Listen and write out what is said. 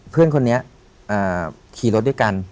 เพื่อนคนนี้ขี่รถด้วยกัน